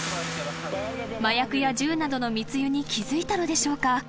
［麻薬や銃などの密輸に気付いたのでしょうか？］